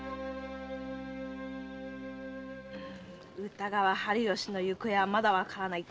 歌川春芳の行方はまだわからない。